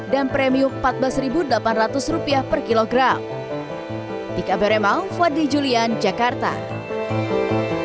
dan premium rp empat belas delapan ratus per kilogram